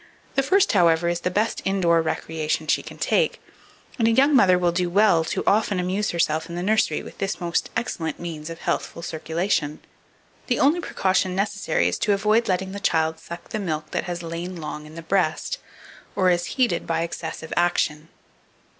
The first, however, is the best indoor recreation she can take, and a young mother will do well to often amuse herself in the nursery with this most excellent means of healthful circulation. The only precaution necessary is to avoid letting the child suck the milk that has lain long in the breast, or is heated by excessive action.